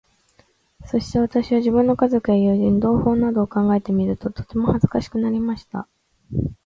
そして私は、自分の家族や友人、同胞などを考えてみると、とてもひどく恥かしくなりました。